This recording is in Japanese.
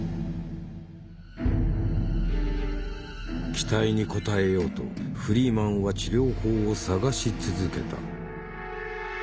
期待に応えようとフリーマンは治療法を探し続けた。